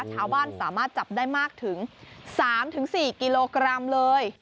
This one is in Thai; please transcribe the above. สามารถจับได้มากถึง๓๔กิโลกรัมเลย